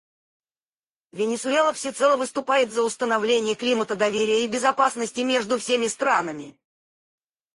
Венесуэла всецело выступает за установление климата доверия и безопасности между всеми странами.